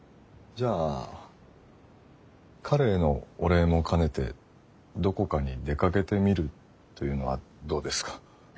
じゃあ彼へのお礼も兼ねてどこかに出かけてみるというのはどうですか？